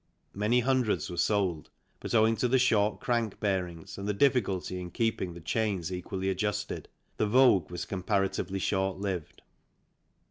Many hundreds were sold, but owing to the short crank bearings and the difficulty in keeping the chains equally adjusted, the vogue was comparatively short lived.